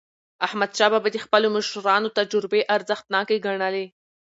احمدشاه بابا د خپلو مشرانو تجربې ارزښتناکې ګڼلې.